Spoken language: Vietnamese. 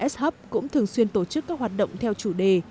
s hop cũng thường xuyên tổ chức các hoạt động theo chủ đề